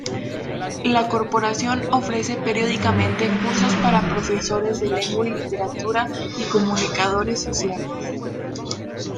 La corporación ofrece periódicamente cursos para profesores de Lengua y Literatura y comunicadores sociales.